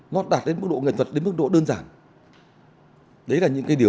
toàn bài phẳng phất giai điệu du con dân ca nam bộ